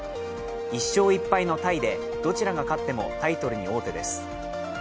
１勝１敗のタイでどちらが勝ってもタイトルに王手です。